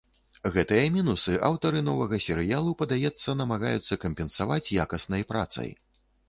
Гэтыя мінусы аўтары новага серыялу, падаецца, намагаюцца кампенсаваць якаснай працай.